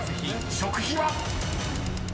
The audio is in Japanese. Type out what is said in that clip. ［食費は⁉］